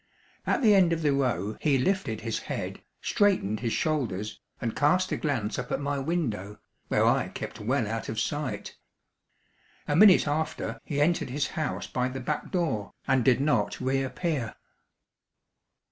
At the end of the row he lifted his head, straightened his shoulders, and cast a glance up at my window, where I kept well out of sight. A minute after, he entered his house by the back door, and did not reappear.